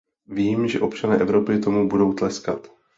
Vím, že občané Evropy tomu budou tleskat.